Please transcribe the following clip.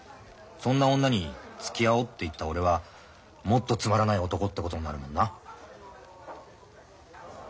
そんな女につきあおうって言った俺はもっとつまらない男ってことになるもんな。